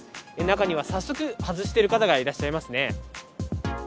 中には早速、外している方がいらっしゃいますね。